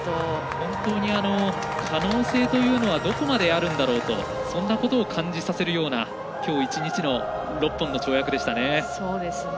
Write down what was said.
本当に可能性というのはどこまであろうだろうとそんなことを感じさせるようなきょう１日の６本の跳躍でしたね。